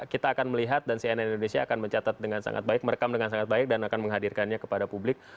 kita akan melihat dan cnn indonesia akan mencatat dengan sangat baik merekam dengan sangat baik dan akan menghadirkannya kepada publik